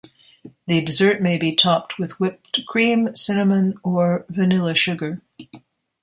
The dessert may be topped with whipped cream, cinnamon, or vanilla sugar.